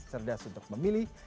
cerdas untuk memilih